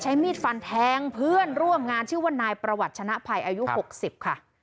ใช้มีดฟันแทงเพื่อนร่วมงานชื่อว่านายประวัติศาสตร์ภายอยู่หกสิบค่ะ